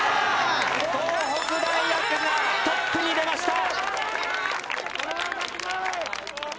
東北大学がトップに出ました。